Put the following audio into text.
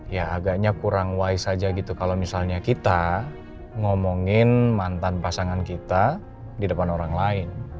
ya agaknya kurang wise saja gitu kalau misalnya kita ngomongin mantan pasangan kita di depan orang lain